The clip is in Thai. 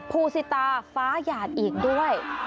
ภูสิตาฟ้าหยาดอีกด้วย